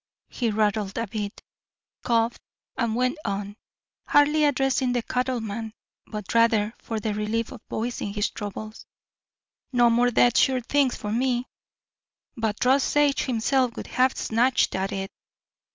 He rattled a bit, coughed, and went on, hardly addressing the cattleman, but rather for the relief of voicing his troubles. "No more dead sure t'ings for me. But Rus Sage himself would have snatched at it.